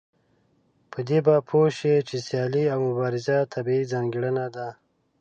په دې به پوه شئ چې سيالي او مبارزه طبيعي ځانګړنه ده.